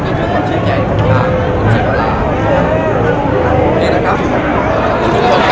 ไม่ว่าจะไปเรื่องของมายนุทร์ขึ้นสนาธารมายนุทร์ดิเรย์มายนุทร์ราชามายนุทร์บุคคล